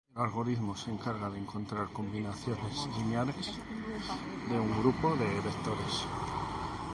El algoritmo se encarga de encontrar combinaciones lineales de un grupo de vectores